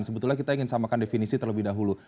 sebetulnya kita ingin samakan definisi terlebih dahulu